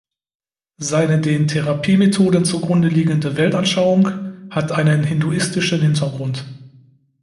Seine den Therapiemethoden zugrunde liegende Weltanschauung hat einen hinduistischen Hintergrund.